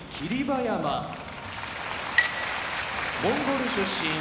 馬山モンゴル出身